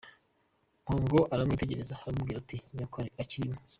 Mpongo aramwitegereza aramubwira, ati “Nyoko akirimo?”.